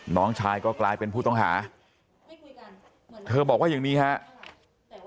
น้องชายก็กลายเป็นผู้ต้องหาเธอบอกว่าอย่างนี้ครับ